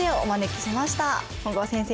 本郷先生